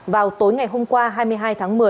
vào tối ngày hôm qua hai mươi hai tháng một mươi